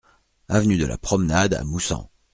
Avenue de la Promenade à Moussan